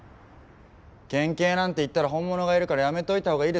県警なんて行ったら本物がいるからやめといた方がいいですよ。